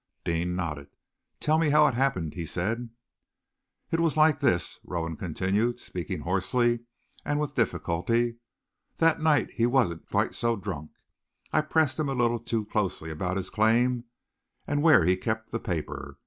Deane nodded. "Tell me how it happened," he said. "It was like this," Rowan continued, speaking hoarsely, and with difficulty, "that night he wasn't quite so drunk. I pressed him a little too closely about his claim, and where he kept the paper.